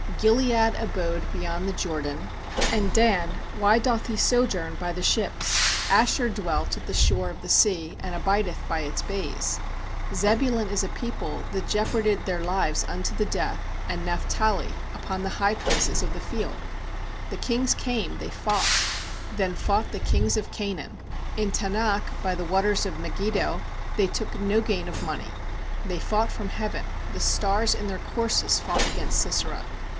17Gilead abode beyond the Jordan; And Dan, why doth he sojourn by the ships? Asher dwelt at the shore of the sea, And abideth by its bays. 18Zebulun is a people that jeoparded their lives unto the death, And Naphtali, upon the high places of the field. 19The kings came, they fought; Then fought the kings of Canaan, In Taanach by the waters of Megid do; They took no gain of money. 20They fought from heaven, The stars in their courses fought against Sisera.